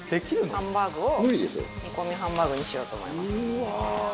ハンバーグを煮込みハンバーグにしようと思います。